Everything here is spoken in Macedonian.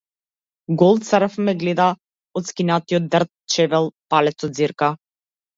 Гол црв ме гледа од скинатиот дрт чевел палецот ѕирка.